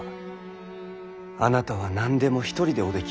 あなたは何でも一人でおできになる。